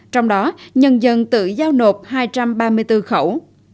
trong đó nhân dân tự giao nộp hai trăm ba mươi bốn khẩu